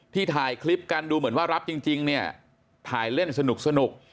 ถ่ายคลิปกันดูเหมือนว่ารับจริงเนี่ยถ่ายเล่นสนุก